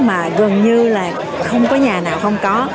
mà gần như là không có nhà nào không có